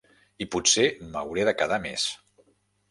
I potser m'hauré de quedar més.